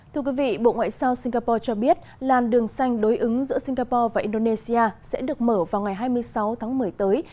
thưa quý vị bộ ngoại giao singapore cho biết làn đường xanh đối ứng giữa singapore và indonesia sẽ được mở vào ngày hai mươi sáu tháng một mươi tới